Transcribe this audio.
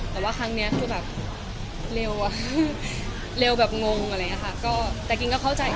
แต่ว่าครั้งนี้ก็แบบเลวอะนะคะเลวแบบงงแต่กิ้งก็เข้าใจ